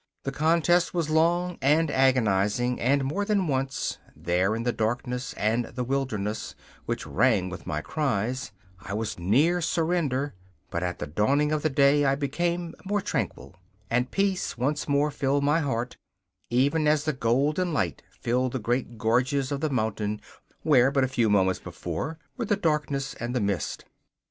The contest was long and agonising, and more than once, there in the darkness and the wilderness, which rang with my cries, I was near surrender; but at the dawning of the day I became more tranquil, and peace once more filled my heart, even as the golden light filled the great gorges of the mountain where but a few moments before were the darkness and the mist.